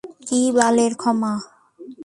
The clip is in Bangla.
কি বালের ক্ষমা?